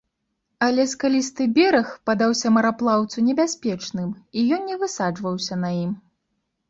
Але скалісты бераг падаўся мараплаўцу небяспечным, і ён не высаджваўся на ім.